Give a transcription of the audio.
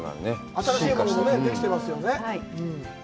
新しいものもできていますよね。